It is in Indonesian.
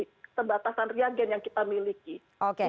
keterbatasan reagen yang kita miliki